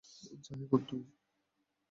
যা এখন তুই।